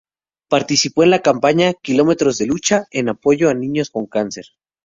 Participó en la campaña "kilómetros de lucha" en apoyo a niños con cáncer.